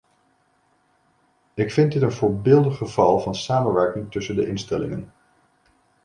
Ik vind dit een voorbeeldig geval van samenwerking tussen de instellingen.